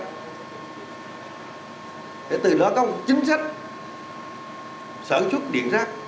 để từ đó có một chính sách sản xuất điện rác